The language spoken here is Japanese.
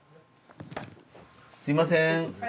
すいません。